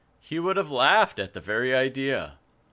He would have laughed at the very idea.